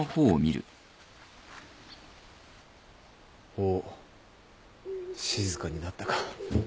おっ静かになったか。